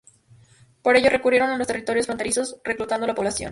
Por ello, recurrieron a los territorios fronterizos reclutando a la población.